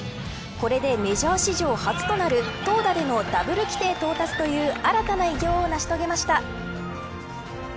これでメジャー史上初となる投打でのダブル規定到達という新たな偉業を成し遂げました。